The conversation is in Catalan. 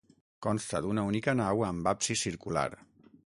Consta d'una única nau amb absis circular.